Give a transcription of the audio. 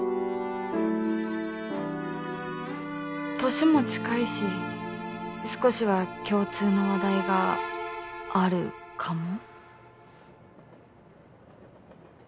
年も近いし少しは共通の話題があるかも？